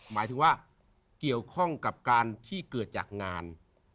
หมายถึงว่าเกี่ยวข้องกับการที่เกิดจากงาน